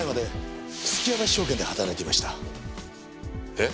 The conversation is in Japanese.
えっ？